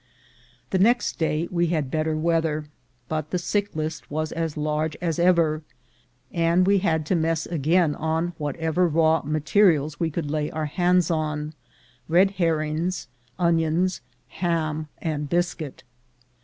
The next day we had better weather, but the sick list was as large as ever, and we had to mess again on whatever raw materials we could lay our hands on — red herrings, onions, ham, and biscuit.